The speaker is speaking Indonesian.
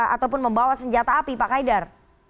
ataupun membawa senjata api pak kaidar